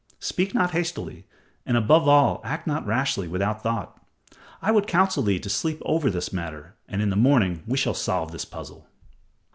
Speak not hastily, and above all act not rashly without thought. I would counsel thee to sleep over this matter, and in the morning we shall solve this puzzle."